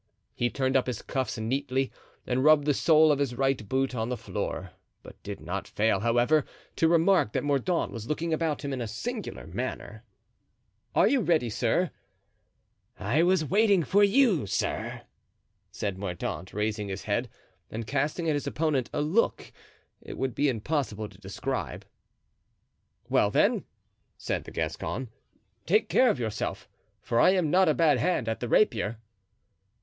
He turned up his cuffs neatly and rubbed the sole of his right boot on the floor, but did not fail, however, to remark that Mordaunt was looking about him in a singular manner. "Are you ready, sir?" he said at last. "I was waiting for you, sir," said Mordaunt, raising his head and casting at his opponent a look it would be impossible to describe. "Well, then," said the Gascon, "take care of yourself, for I am not a bad hand at the rapier."